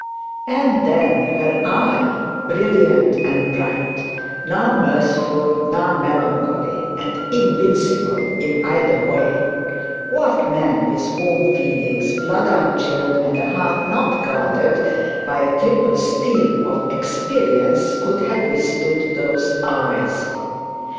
And then her eye, brilliant and bright, now mirthful, now melancholy, and invincible in either way! What man with warm feelings, blood unchilled, and a heat not guarded by a triple steel of experience could have withstood those eyes!